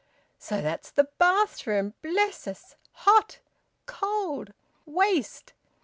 So that's the bathroom! Bless us! Hot! Cold! Waste!